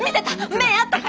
目合ったから！